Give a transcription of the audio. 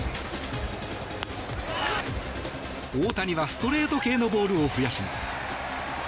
大谷はストレート系のボールを増やします。